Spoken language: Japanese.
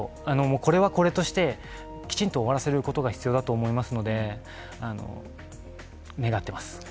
これはこれとして、きちんと終わらせることが必要だと思いますので、願っています。